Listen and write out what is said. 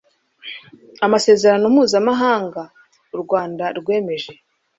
amasezerano mpuzamahanga u Rwanda rwemeje